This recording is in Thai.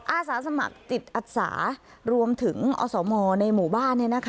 อาสาสมัครจิตอัดศาสนิยล์รวมถึงอสหมอในหมู่บ้าน